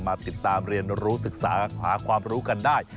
มาติดตามเรียนรู้ศึกษาหาความรู้กันได้